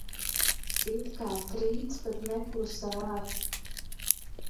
It kā trīc, bet neklusē ar.